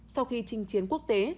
sau khi trình chiến quốc tế